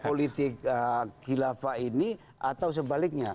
politik khilafah ini atau sebaliknya